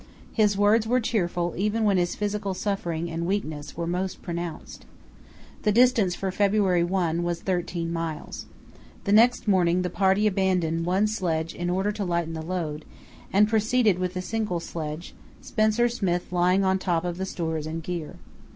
His words were cheerful even when his physical suffering and weakness were most pronounced. The distance for February 1 was 13 miles. The next morning the party abandoned one sledge in order to lighten the load, and proceeded with a single sledge, Spencer Smith lying on top of the stores and gear.